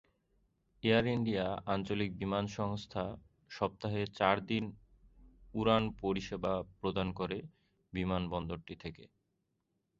Air India আঞ্চলিক বিমান সংস্থা সপ্তাহে চার দিন উড়ান পরিষেবা প্রদান করে বিমানবন্দরটি থেকে।